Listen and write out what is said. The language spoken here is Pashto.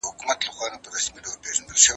د باور محدودیتونه باید له منځه یوسئ.